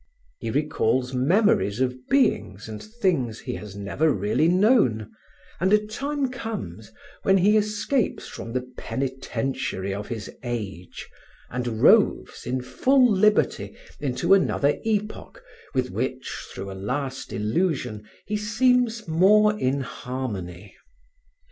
He recalls memories of beings and things he has never really known and a time comes when he escapes from the penitentiary of his age and roves, in full liberty, into another epoch with which, through a last illusion, he seems more in harmony.